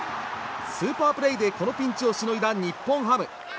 スーパープレーでこのピンチをしのいだ日本ハム。